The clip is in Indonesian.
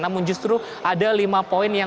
namun justru ada lima poin yang